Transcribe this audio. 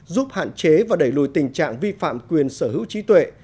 giúp hạn chế và đẩy lùi tình trạng vi phạm quyền sở hữu trí tuệ